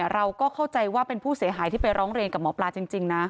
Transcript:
เราก็เข้าใจว่าเป็นผู้เสียหายที่ไปร้องเรียนกับหมอปลาจริงนะ